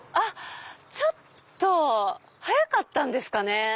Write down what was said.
ちょっと早かったんですかね？